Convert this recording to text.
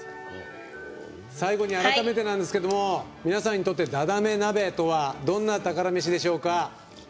最後に改めてなんですけども皆さんにとってダダメ鍋とはどんな宝メシでしょうか。